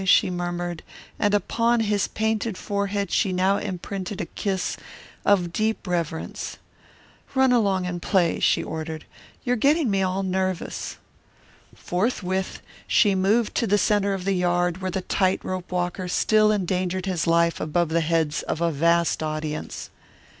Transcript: she murmured, and upon his painted forehead she now imprinted a kiss of deep reverence. "Run along and play," she ordered. "You're getting me all nervous." Forthwith she moved to the centre of the yard where the tight rope walker still endangered his life above the heads of a vast audience.